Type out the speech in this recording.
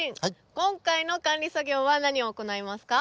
今回の管理作業は何を行いますか？